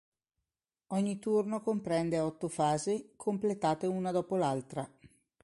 Ogni turno comprende otto fasi, completate una dopo l'altra.